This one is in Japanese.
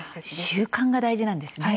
習慣が大事なんですね。